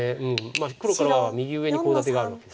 黒からは右上にコウ立てがあるわけです。